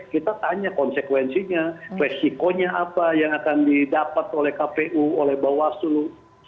kita tanya konsekuensinya resikonya apa yang akan didapat oleh kpu oleh bawaslu